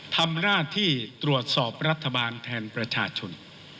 ทำหน้าที่ตรวจสอบรัฐบาลแทนประชาชน